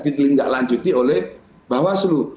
dilindaklanjuti oleh bawaslu